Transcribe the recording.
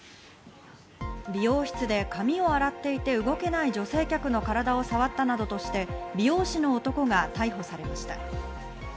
美容室で髪を洗っていて動けない女性客の体を触ったなどとして美容師の男が逮捕されました。